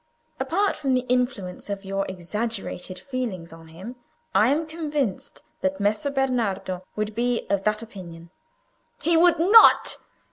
Apart from the influence of your exaggerated feelings on him, I am convinced that Messer Bernardo would be of that opinion." "He would not!"